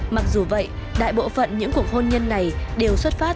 mặc dù vậy đại bộ phận những cuộc hôn nhân này đều xuất phát